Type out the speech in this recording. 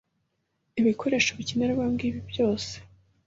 Ibikoresho bikenererwa ngibi byose